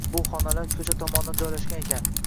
Bu xonalar ko’cha tomonda joylashgan ekan.